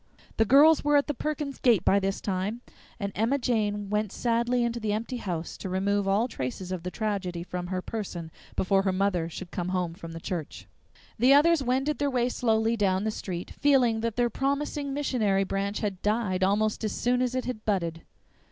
The girls were at the Perkins's gate by this time, and Emma Jane went sadly into the empty house to remove all traces of the tragedy from her person before her mother should come home from the church. The others wended their way slowly down the street, feeling that their promising missionary branch had died almost as soon as it had budded.